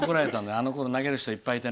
あのころ投げる人がいっぱいいて。